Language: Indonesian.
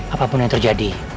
apapun yang terjadi